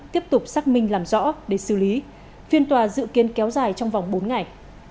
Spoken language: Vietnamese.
tiếp tục xác minh làm rõ để xử lý phiên tòa dự kiến kéo dài trong vòng bốn ngày